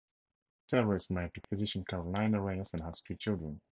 Becerra is married to physician Carolina Reyes and has three children.